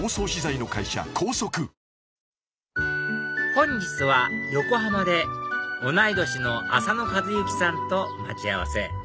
本日は横浜で同い年の浅野和之さんと待ち合わせ